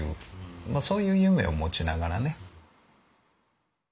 そういう夢を持ちながらね。